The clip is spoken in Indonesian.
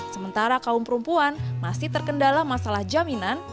sementara kaum perempuan masih terkendala masalah jaminan